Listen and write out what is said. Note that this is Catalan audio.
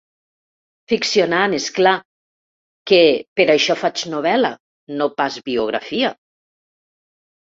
Ficcionant, és clar, que per això faig novel·la, no pas biografia.